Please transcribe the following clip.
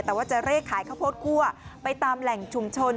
แต่ว่าจะเลขขายข้าวโพดคั่วไปตามแหล่งชุมชน